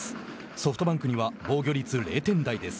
ソフトバンクには防御率０点台です。